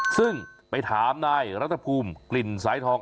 ซึ่งไปถามนายรัฐภูมิกลิ่นสายทอง